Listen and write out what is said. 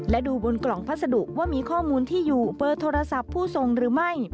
และดูบนกล่องพัสดุว่ามีข้อมูลที่อยู่เบอร์โทรศัพท์ผู้ส่งหรือไม่